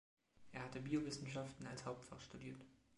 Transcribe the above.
Er hatte Biowissenschaften als Hauptfach studiert.